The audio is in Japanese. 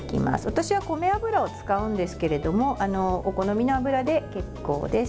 私は米油を使うんですけれどもお好みの油で結構です。